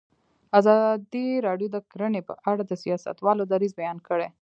ازادي راډیو د کرهنه په اړه د سیاستوالو دریځ بیان کړی.